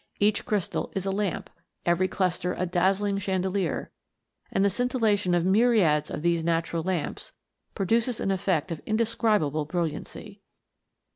Each crystal is a lamp, every cluster a dazzling chandelier, and the scintillation of myriads of these natural lamps, produces an effect of indescribable brilliancy.